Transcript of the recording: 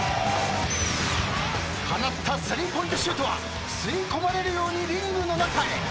放ったスリーポイントシュートは吸い込まれるようにリングの中へ。